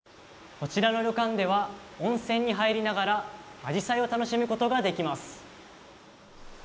こちらの旅館では温泉に入りながらアジサイを楽しむことができます。